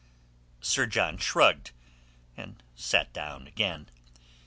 Sir John shrugged, and sat down again.